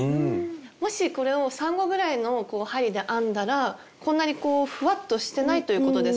もしこれを３号ぐらいの針で編んだらこんなにこうふわっとしてないということですか？